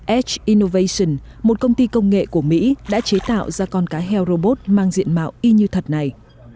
edge innovation một công ty công nghệ của mỹ đã chế tạo ra con cá heo robot mang diện mạo y như thật này